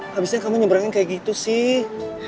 habisnya kamu nyebrangin kayak gitu sih